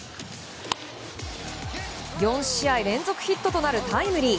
４試合連続ヒットとなるタイムリー。